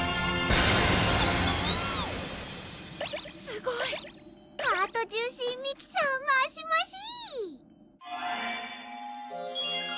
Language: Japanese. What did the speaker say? すごいハートジューシーミキサーマシマシ！